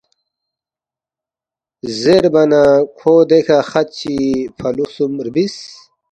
زیربا نہ کھو دیکھہ خط چی فُلو خسُوم ربس